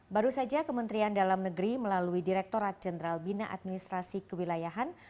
baru saja kementerian dalam negeri melalui direkturat jenderal bina administrasi kewilayahan